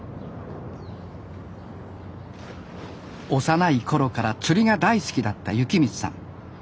幼い頃から釣りが大好きだった幸光さん。